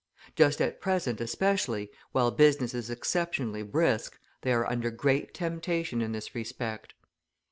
Just at present especially, while business is exceptionally brisk, they are under great temptation in this respect.